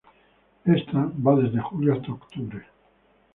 Esta va desde julio hasta octubre.